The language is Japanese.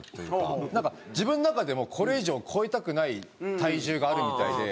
なんか自分の中でもこれ以上超えたくない体重があるみたいで。